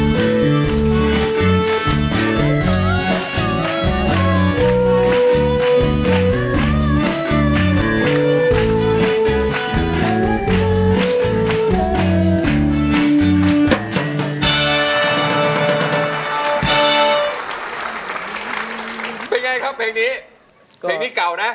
เป็นไงครับเพลงนี้เพลงนี้เก่านะ